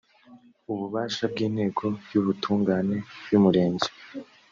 ububasha bw inteko y ubutungane y umurenge